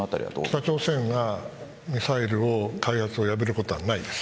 北朝鮮がミサイルを開発をやめることはないです。